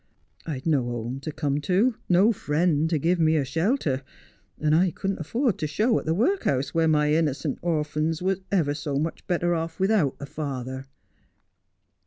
I'd no home to come to, no friend to give me a shelter, and I couldn't afford to show at the workus where my innercent orphans was ever so much better off without a father.'